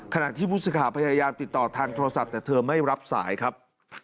ขณะที่ผู้สื่อข่าวพยายามติดต่อทางโทรศัพท์แต่เธอไม่รับสายครับ